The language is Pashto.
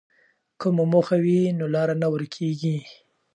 که موخه وي نو لاره نه ورکېږي.